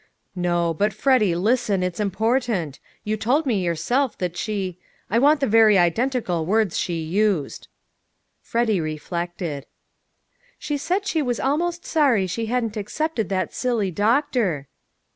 "No, but Freddy, listen it's important. You told me yourself that she I want the very identical words she used." Freddy reflected. "She said she was almost sorry she hadn't accepted that silly doctor!"